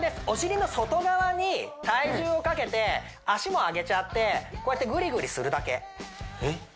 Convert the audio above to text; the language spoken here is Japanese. お尻の外側に体重をかけて足も上げちゃってこうやってぐりぐりするだけえっ？